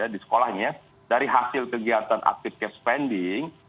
di sekolahnya dari hasil kegiatan aktif kek spending